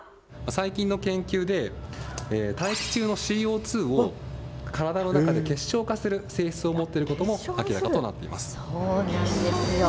最近の研究で、大気中のＣＯ２を体の中で結晶化する性質を持っていることも明らそうなんですよ。